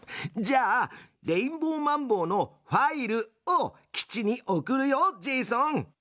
じゃあレインボーマンボウのファイルを基地に送るよジェイソン。